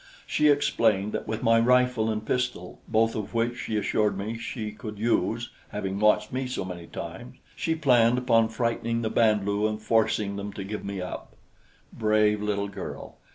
She explained that with my rifle and pistol both of which she assured me she could use, having watched me so many times she planned upon frightening the Band lu and forcing them to give me up. Brave little girl!